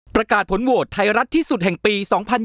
ประกาศผลโหวตไทยรัฐที่สุดแห่งปี๒๐๒๐